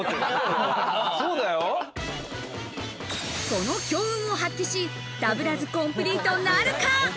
その強運を発揮し、ダブらずコンプリートなるか？